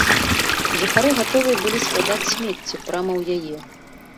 Жыхары гатовыя былі складаць смецце прама ў яе.